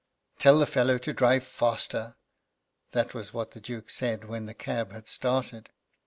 "Tell the fellow to drive faster." That was what the Duke said when the cab had started.